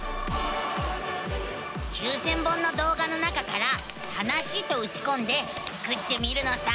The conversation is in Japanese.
９，０００本の動画の中から「はなし」とうちこんでスクってみるのさ。